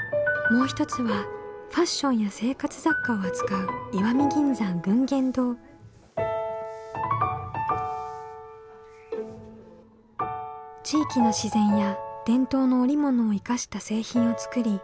もう一つはファッションや生活雑貨を扱う地域の自然や伝統の織物を生かした製品を作り